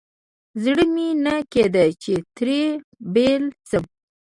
زړه مې نه کېده چې ترې بېل شم.